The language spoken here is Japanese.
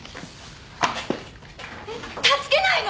えっ助けないの！？